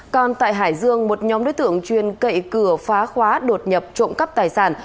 còn tại hải dương một nhóm đối tượng chuyên cậy cửa phá khóa đột nhập trộm cắp tài sản